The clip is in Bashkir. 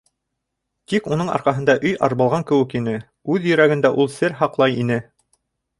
Тик уның арҡаһында өй арбалған кеүек ине: үҙ йөрәгендә ул сер һаҡлай ине...